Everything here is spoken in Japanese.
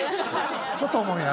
ちょっと重いな。